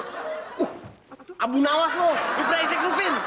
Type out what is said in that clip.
uh abu nawas loh berisik lufin